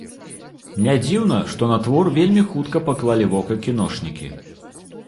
Нядзіўна, што на твор вельмі хутка паклалі вока кіношнікі.